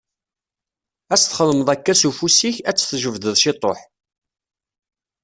Ad as-txedmeḍ akka s ufus-ik, ad tt-tjebdeḍ ciṭuḥ.